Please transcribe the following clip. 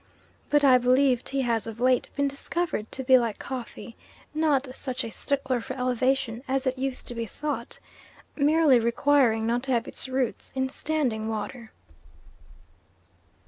But I believe tea has of late years been discovered to be like coffee, not such a stickler for elevation as it used to be thought, merely requiring not to have its roots in standing water.